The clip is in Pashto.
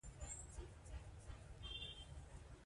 د مور مینه او پاملرنه ماشومانو ته ځواک ورکوي.